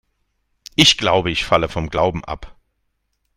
Ich glaube, ich falle vom Glauben ab.